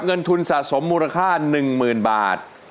เงินทุนสะสมมูลค่าหนึ่งหมื่นบาท